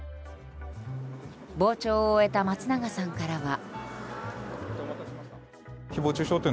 傍聴を終えた松永さんからは。